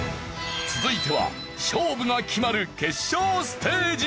続いては勝負が決まる決勝ステージ。